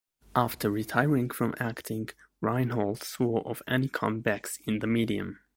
After retiring from acting Reinholt swore off any comebacks in the medium.